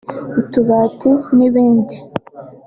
utubati n’ibindi